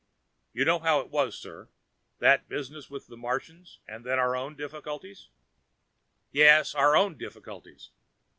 "You know how it was, sir. That business with the Martians and then, our own difficulties " "Yes. Our own difficulties.